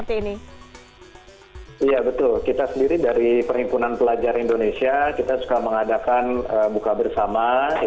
iya betul kita sendiri dari perhimpunan pelajar indonesia kita suka mengadakan buka bersama